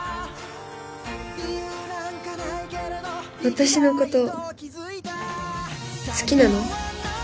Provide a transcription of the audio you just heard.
私のこと好きなの？